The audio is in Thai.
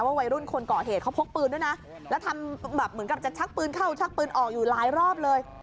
วัยรุ่นคนก่อเหตุเขาพกปืนด้วยนะแล้วทำแบบเหมือนกับจะชักปืนเข้าชักปืนออกอยู่หลายรอบเลย